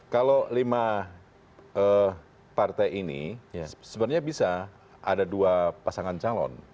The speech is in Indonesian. kalau lima partai ini sebenarnya bisa ada dua pasangan calon